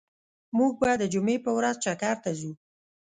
موږ به د جمعی په ورځ چکر ته ځو